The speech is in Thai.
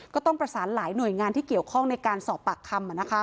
ก็ต้องประสานหลายหน่วยงานที่เกี่ยวข้องในการสอบปากคำ